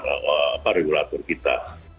dan itu juga adalah perlindungan regulatur kita